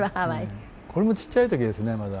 これもちっちゃい時ですねまだ。